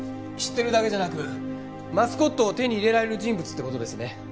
知ってるだけじゃなくマスコットを手に入れられる人物って事ですね。